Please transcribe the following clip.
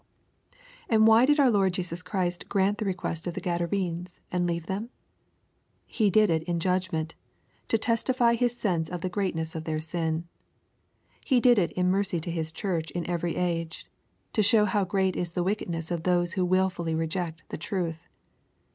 And why did our Lord Jesus Christ grant the request of the Gadarenes, and leave them ? He did it in judg ment, to testify His sense of the greatness of their sin. He did it in mercy to His Church in every age, to show how great is the wickedness of those who wilfully reject the truth.